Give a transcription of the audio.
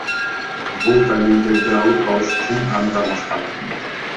Бул далилдерди алып алыш үчүн аны кармашкан.